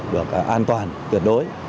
được an toàn tuyệt đối